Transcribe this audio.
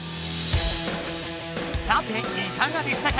さていかがでしたか？